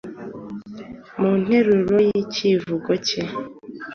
mu nteruro y’icyivugo cye